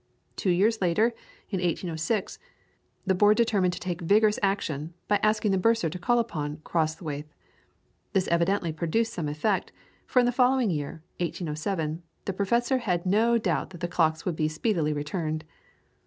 Two years later, in 1806, the Board determined to take vigorous action by asking the Bursar to call upon Crosthwaite. This evidently produced some effect, for in the following year, 1807, the Professor had no doubt that the clocks would be speedily returned.